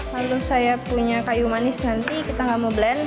lalu saya punya kayu manis nanti kita nggak mau blend